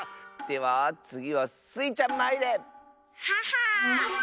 ではつぎはスイちゃんまいれ！ははっ。